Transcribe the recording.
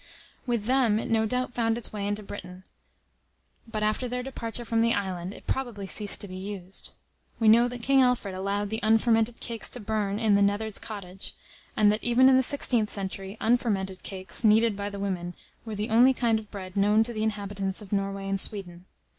With them it no doubt found its way into Britain; but after their departure from the island, it probably ceased to be used. We know that King Alfred allowed the unfermented cakes to burn in the neatherd's cottage; and that, even in the sixteenth century, unfermented cakes, kneaded by the women, were the only kind of bread known to the inhabitants of Norway and Sweden.